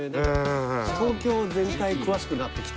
東京全体詳しくなってきて。